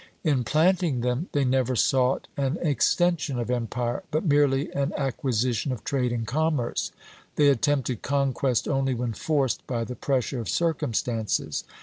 "In planting them they never sought an extension of empire, but merely an acquisition of trade and commerce. They attempted conquest only when forced by the pressure of circumstances.